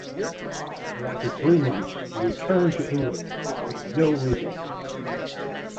But after three months he returned to England with no result.